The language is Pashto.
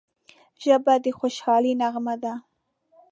ژبه د خوشحالۍ نغمه ده